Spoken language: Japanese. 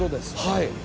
はい。